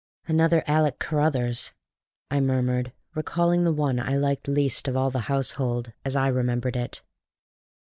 "Another Alick Carruthers," I murmured, recalling the one I liked least of all the household, as I remembered it.